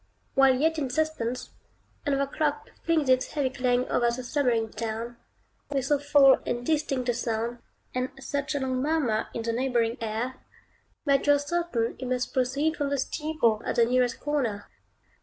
While yet in suspense, another clock flings its heavy clang over the slumbering town, with so full and distinct a sound, and such a long murmur in the neighboring air, that you are certain it must proceed from the steeple at the nearest corner.